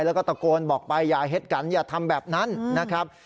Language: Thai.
แล้วก็ตะโกนบอกไปอย่าเห็ดกันอย่าทำแบบนั้นนะครับ